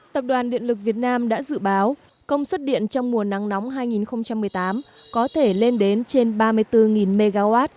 tập đoàn điện lực việt nam đã dự báo công suất điện trong mùa nắng nóng hai nghìn một mươi tám có thể lên đến trên ba mươi bốn mw